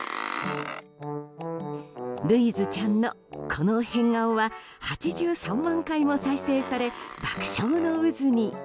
るいずちゃんの、この変顔は８３万回も再生され爆笑の渦に。